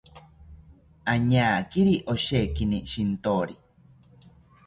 Añakiri oshekini shintori